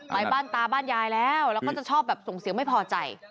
ไปบ้านตาบ้านยายแล้วแล้วก็จะชอบแบบส่งเสียงไม่พอใจ